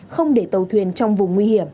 không để tàu thuyền trong vùng nguy hiểm